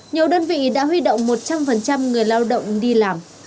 nhiều đơn vị đã huy động một trăm linh người lao động đi làm